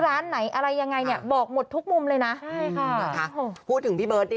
ร้านไหนอะไรยังไงเนี่ยบอกหมดทุกมุมเลยนะใช่ค่ะนะคะพูดถึงพี่เบิร์ดดิ